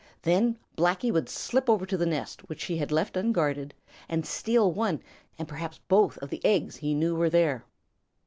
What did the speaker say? Then Blacky would slip over to the nest which she had left unguarded and steal one and perhaps both of the eggs he knew were there.